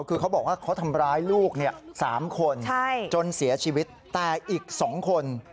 คือเขาบอกว่าเขาทำร้ายลูก๓คนจนเสียชีวิตแต่อีก๒คน